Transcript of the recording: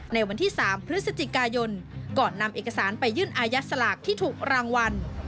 ในวันที่๓พฤศจิกายนก่อนนำเอกสารไปยื่นอายัดสลากที่ถูกรางวัล